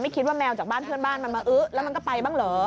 คิดว่าแมวจากบ้านเพื่อนบ้านมันมาอื้อแล้วมันก็ไปบ้างเหรอ